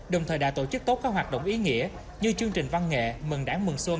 đồng thời đã tổ chức tốt các hoạt động ý nghĩa như chương trình văn nghệ mừng đảng mừng xuân